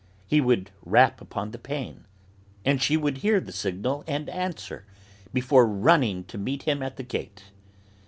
He would rap upon the pane, and she would hear the signal, and answer, before running to meet him at the gate.